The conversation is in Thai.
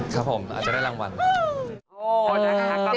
ครับผมอาจจะได้รางวัล